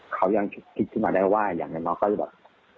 เขายังคิดขึ้นมาได้ว่าอย่างน้อยก็จะแบบ